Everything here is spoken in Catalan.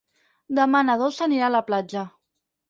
Demà na Dolça anirà a la platja.